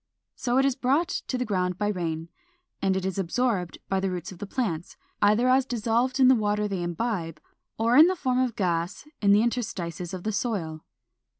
So it is brought to the ground by rain, and is absorbed by the roots of plants, either as dissolved in the water they imbibe, or in the form of gas in the interstices of the soil.